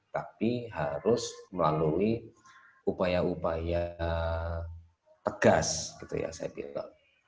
tapi harus melalui upaya upaya tegas gitu ya saya kira